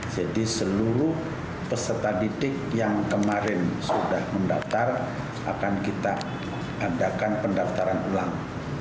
jadi seluruh peserta didik yang kemarin sudah mendaftar akan kita adakan pendaftaran ulang